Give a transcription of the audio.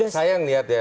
saya yang lihat ya